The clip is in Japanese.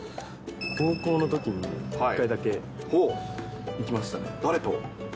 高校のときに１回だけ行きま誰と？